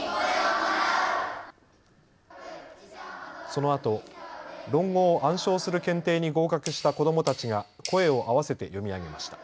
そのあと論語を暗唱する検定に合格した子どもたちが声を合わせて読み上げました。